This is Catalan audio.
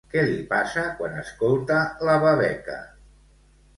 Què li passa quan escolta la babeca?